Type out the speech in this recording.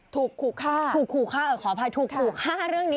ถูกขู่ฆ่าถูกขู่ฆ่าขออภัยถูกขู่ฆ่าเรื่องนี้